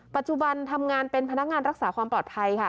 ปัจจุบันทำงานเป็นพนักงานรักษาความปลอดภัยค่ะ